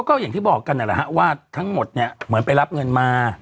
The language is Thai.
ก็อย่างที่บอกกันนั่นแหละฮะว่าทั้งหมดเนี่ยเหมือนไปรับเงินมา